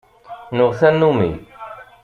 Nuɣ tannummi.